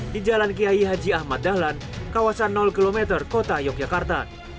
di jalan kiai haji ahmad dahlan kawasan km kota yogyakarta